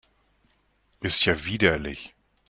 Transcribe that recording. Ist ja widerlich!